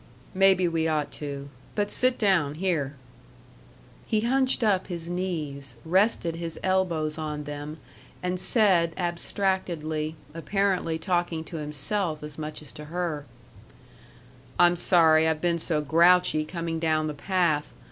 "Maybe we ought to. But sit down here." He hunched up his knees, rested his elbows on them, and said, abstractedly, apparently talking to himself as much as to her: "I'm sorry I've been so grouchy coming down the path.